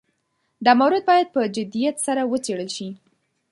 دا مورد باید په جدیت سره وڅېړل شي.